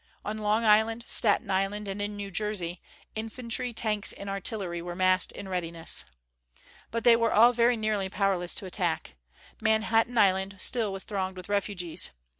On Long Island, Staten Island, and in New Jersey, infantry, tanks and artillery were massed in readiness. But they were all very nearly powerless to attack. Manhattan Island still was thronged with refugees.